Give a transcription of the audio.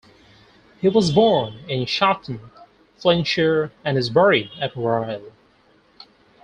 He was born in Shotton, Flintshire and is buried at Rhyl.